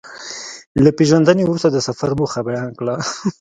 له پېژندنې وروسته د سفر موخه بيان کړه.